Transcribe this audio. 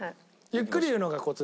ゆっくり言うのがコツですね。